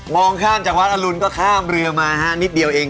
ข้ามจากวัดอรุณก็ข้ามเรือมานิดเดียวเอง